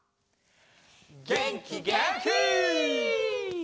げんきげんき！